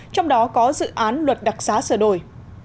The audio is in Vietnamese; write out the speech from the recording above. trong đó có dự án luật đặc xá sửa đổi